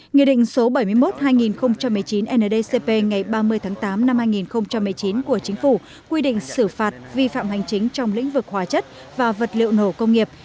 nghị định số bảy mươi một hai nghìn một mươi chín ndcp ngày ba mươi tháng tám năm hai nghìn một mươi chín của chính phủ quy định xử phạt vi phạm hành chính trong lĩnh vực hóa chất và vật liệu nổ công nghiệp